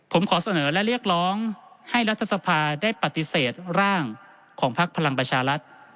ผมขอเสนอและเรียกร้องให้รัฐสภาได้ปฏิเสธร่างของพักพลังประชารัฐ